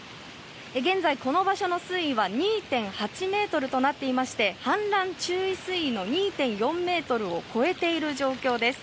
現在この場所の水位は２．８ｍとなっており氾濫危険水位の２．４ｍを超えている状況です。